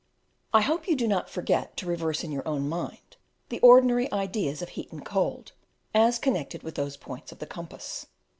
I hope you do not forget to reverse in your own mind the ordinary ideas of heat and cold, as connected with those points of the compass.